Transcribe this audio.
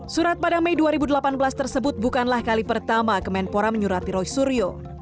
surat pada mei dua ribu delapan belas tersebut bukanlah kali pertama kemenpora menyurati roy suryo